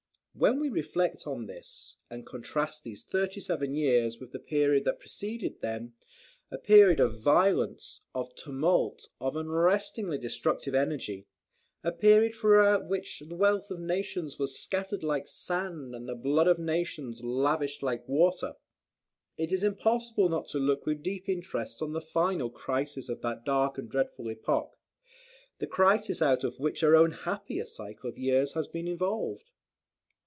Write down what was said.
When we reflect on this, and contrast these thirty seven years with the period that preceded them, a period of violence, of tumult, of unrestingly destructive energy, a period throughout which the wealth of nations was scattered like sand, and the blood of nations lavished like water, it is impossible not to look with deep interest on the final crisis of that dark and dreadful epoch; the crisis out of which our own happier cycle of years has been evolved.